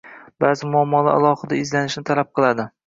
Ba’zi muammolar alohida izlanishni talab qiladi